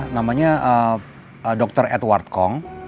namanya dokter edward kong